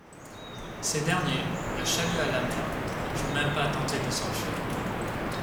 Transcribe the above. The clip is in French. Ces derniers, le chalut à la mer, ne purent même pas tenter de s'enfuir.